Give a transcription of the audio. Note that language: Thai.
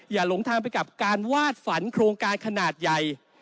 หลงทางไปกับการวาดฝันโครงการขนาดใหญ่